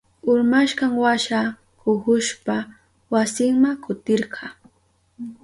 Urmashkanwasha kuhushpa wasinma kutirka.